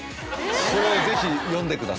それぜひ読んでくださいね。